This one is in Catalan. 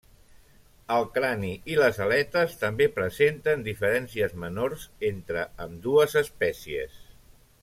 El crani i les aletes també presenten diferències menors entre ambdues espècies.